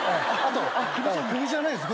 首じゃないです。